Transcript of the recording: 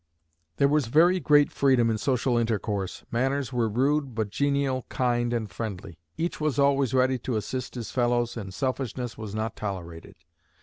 "There was very great freedom in social intercourse. Manners were rude, but genial, kind, and friendly. Each was always ready to assist his fellows, and selfishness was not tolerated.